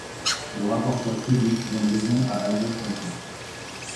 Le rapporteur public donne raison à Alsace Nature.